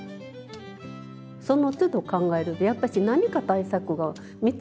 そのつど考えるんでやっぱし何か対策が見つかるんですね。